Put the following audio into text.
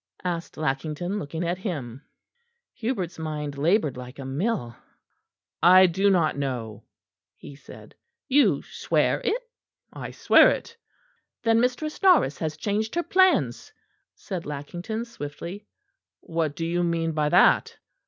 asked Lackington, looking at him. Hubert's mind laboured like a mill. "I do not know," he said. "You swear it?" "I swear it." "Then Mistress Norris has changed her plans?" said Lackington swiftly. "What do you mean by that?"